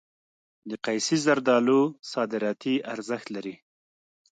د قیسی زردالو صادراتي ارزښت لري.